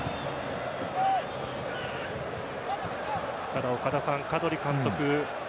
ただ岡田さん、カドリ監督